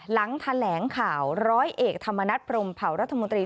หลังแถลงข่าวร้อยเอกธรรมนัฐพรมเผารัฐมนตรี